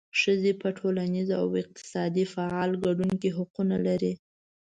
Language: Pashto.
ښځې په ټولنیز او اقتصادي فعال ګډون کې حقونه لري.